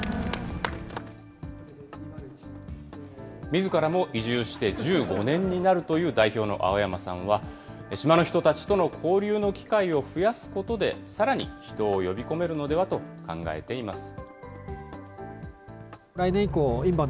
みずからも移住して１５年になるという代表の青山さんは、島の人たちとの交流の機会を増やすことで、さらに人を呼び込めるのではと考えています。